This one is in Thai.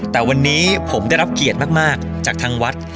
แต่วันนี้ผมได้รับเกียรติมากจากทางวัด